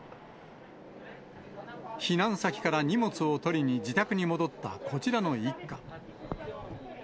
避難先から荷物を取りに自宅に戻ったこちらの一家。